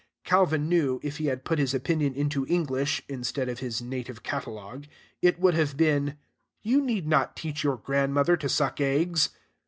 Calvin knew. If he had put his opinion into English (instead of his native catalogue), it would have been: "You need not teach your grandmother to suck eggs."